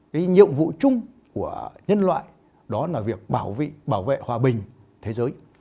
cái nhiệm vụ chung của nhân loại đó là việc bảo vệ hòa bình thế giới